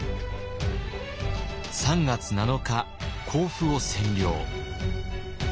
３月７日甲府を占領。